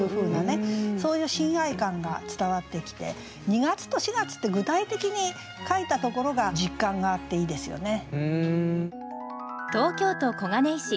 そういう親愛感が伝わってきて「二月と四月」って具体的に書いたところが実感があっていいですよね。